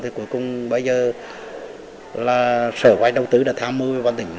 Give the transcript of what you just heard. thì cuối cùng bây giờ là sở quách đông tứ đã tham mưu với văn tỉnh